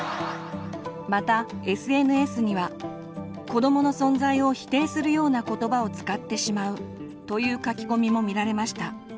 子どもの存在を否定するような言葉を使ってしまうという書き込みも見られました。